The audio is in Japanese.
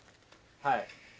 はい。